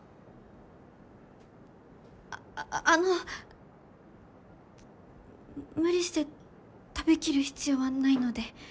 ああの無理して食べきる必要はないので。